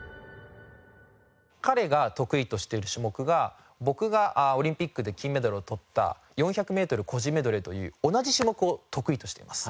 彼が得意としている種目が僕がオリンピックで金メダルを取った４００メートル個人メドレーという同じ種目を得意としています。